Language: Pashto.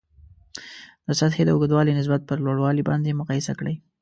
د سطحې د اوږدوالي نسبت پر لوړوالي باندې مقایسه کړئ.